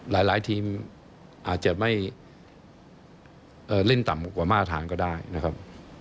หลายทีมอาจจะไม่เล่นต่ำกว่ามาตรฐานก็ได้นะครับ